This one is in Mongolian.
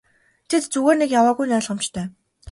Тэд зүгээр нэг яваагүй нь ойлгомжтой.